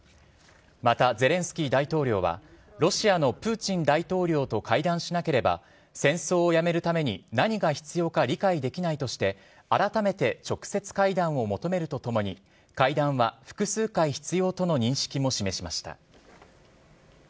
また、ゼレンスキー大統領は、ロシアのプーチン大統領と会談しなければ、戦争をやめるために何が必要か理解できないとして、改めて直接会談を求めるとともに、会談は複数回必要との認識も示しました。